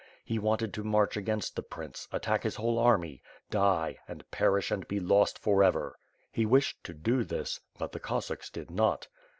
He wanted to march against the prince, attack his whole army; die, and perish and be lost forever. He wished to do this — ^but the Cossacks did not.